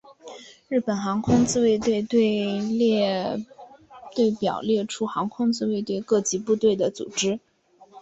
日本航空自卫队队列表列出航空自卫队各级部队的组织。